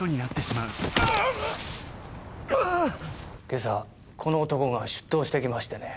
今朝この男が出頭してきましてね。